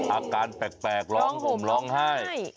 อาการแปลกร้องห่มร้องไห้